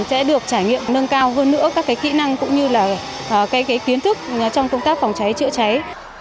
sẽ được trải nghiệm nâng cao hơn nữa các kỹ năng cũng như là kiến thức trong công tác phòng cháy chữa cháy